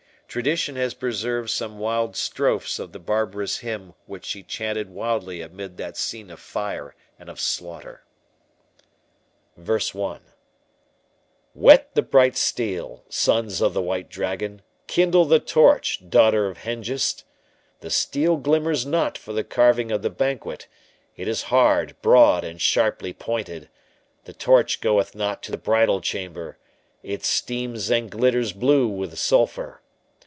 Tradition has preserved some wild strophes of the barbarous hymn which she chanted wildly amid that scene of fire and of slaughter:— 1. Whet the bright steel, Sons of the White Dragon! Kindle the torch, Daughter of Hengist! The steel glimmers not for the carving of the banquet, It is hard, broad, and sharply pointed; The torch goeth not to the bridal chamber, It steams and glitters blue with sulphur.